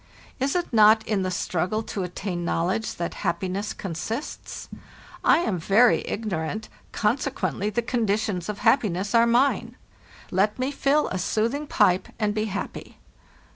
Is it not in the struggle to attain knowledge that happi ness consists? I am very ignorant, consequently the conditions of happiness are mine. "Tet me fill a soothing pipe and be happy.